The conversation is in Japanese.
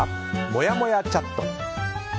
もやもやチャット。